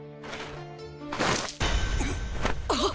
あっ！